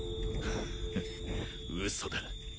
フッ嘘だ